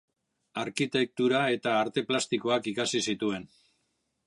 Arkitektura eta arte plastikoak ikasi zituen.